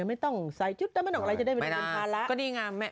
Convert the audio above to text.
ไม่ต้องมีพิน้ากลัวอย่างนี้ทั้งไหร่ก็จะได้